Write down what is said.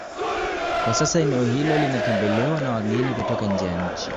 Kwa sasa eneo hilo linatembelewa na wageni kutoka nje ya nchi